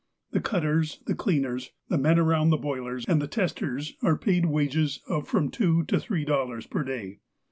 The cutters, the cleaners, the men around the boilers, and the testers are paid wages of from two to three dollars per day.